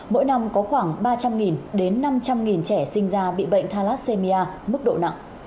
mỗi năm có khoảng ba trăm linh đến năm trăm linh trẻ sinh ra bị bệnh thalassemia mức độ nặng